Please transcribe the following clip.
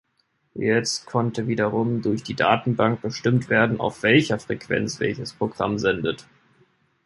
Jetzt konnte wiederum durch die Datenbank bestimmt werden auf welcher Frequenz welches Programm sendet.